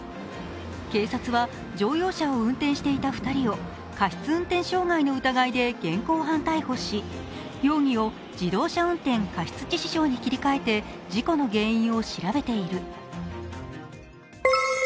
警察は乗用車を運転していた２人を過失運転傷害の疑いで現行犯逮捕し、容疑を自動運転過失致死傷に切り替えて事故の原因を調べている。